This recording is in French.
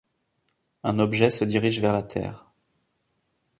Un objet se dirige vers la terre.